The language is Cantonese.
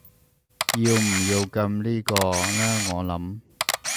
要唔要撳呢個呢我諗